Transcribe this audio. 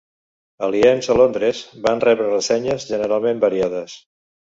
"Àliens a Londres" van rebre ressenyes generalment variades.